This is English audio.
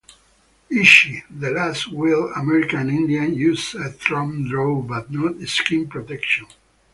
Ishi, the "last wild American Indian", used a thumb draw, but no skin protection.